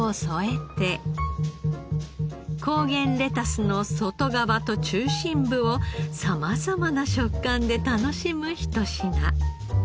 高原レタスの外側と中心部を様々な食感で楽しむ一品。